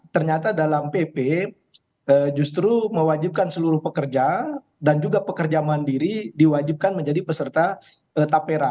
ternyata dalam pp justru mewajibkan seluruh pekerja dan juga pekerja mandiri diwajibkan menjadi peserta tapera